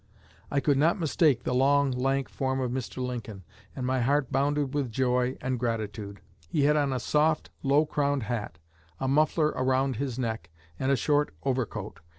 I could not mistake the long, lank form of Mr. Lincoln, and my heart bounded with joy and gratitude. He had on a soft low crowned hat, a muffler around his neck, and a short overcoat.